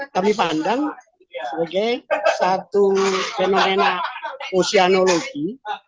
kami pandang sebagai satu fenomena oseanologi